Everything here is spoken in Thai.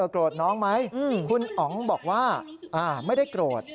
โกรธน้องไหมคุณอ๋องบอกว่าไม่ได้โกรธ